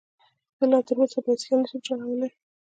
زه لا تر اوسه بايسکل نشم چلولی